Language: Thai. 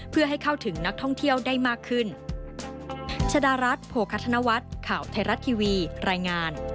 เพื่อให้เข้าถึงนักท่องเที่ยวได้มากขึ้น